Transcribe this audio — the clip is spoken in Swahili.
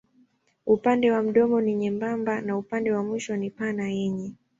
Upande wa mdomo ni nyembamba na upande wa mwisho ni pana yenye.